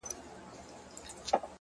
نو دا په ما باندي چا كوډي كړي’